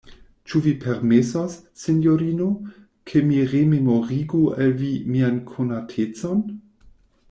Ĉu vi permesos, sinjorino, ke mi rememorigu al vi mian konatecon?